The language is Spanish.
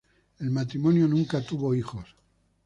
El matrimonio nunca tuvo hijos.